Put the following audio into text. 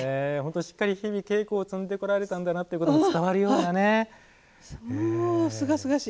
しっかり日々、稽古を積んでこられたんだなというのがすがすがしい。